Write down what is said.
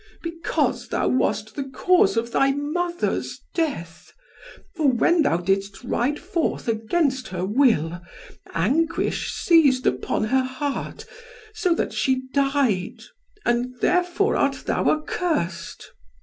"Because thou wast the cause of thy mother's death; for when thou didst ride forth against her will, anguish seized upon her heart, so that she died; and therefore art thou accursed.